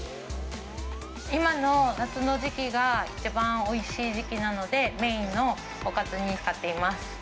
今の夏の時期が一番おいしい時期なので、メインのおかずに使っています。